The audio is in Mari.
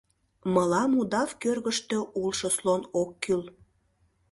Мылам удав кӧргыштӧ улшо слон ок кӱл!